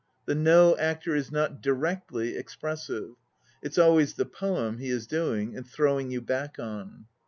The No actor is not directly expressive, it's always the poem he is doing and throwing you back on.